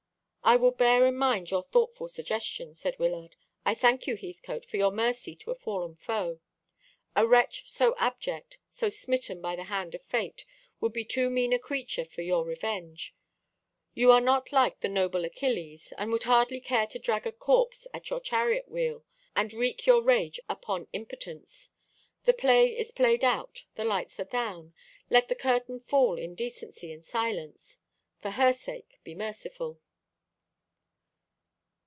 "I will bear in mind your thoughtful suggestion," said Wyllard. "I thank you, Heathcote, for your mercy to a fallen foe. A wretch so abject, so smitten by the hand of Fate, would be too mean a creature for your revenge. You are not like the noble Achilles, and would hardly care to drag a corpse at your chariot wheel, and wreak your rage upon impotence. The play is played out, the lights are down. Let the curtain fall in decency and silence. For her sake be merciful."